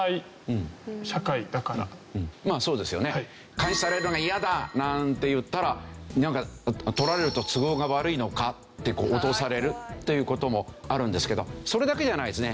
「監視されるのが嫌だ」なんて言ったらなんか撮られると都合が悪いのか？って脅されるという事もあるんですけどそれだけじゃないですね。